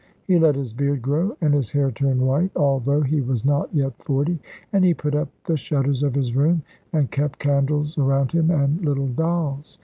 He let his beard grow and his hair turn white, although he was not yet forty, and he put up the shutters of his room, and kept candles around him, and little dolls.